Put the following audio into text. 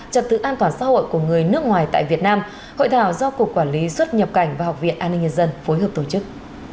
trật tự an toàn xã hội của người nước ngoài tại việt nam hội thảo do cục quản lý xuất nhập cảnh và học viện an ninh nhân dân phối hợp tổ chức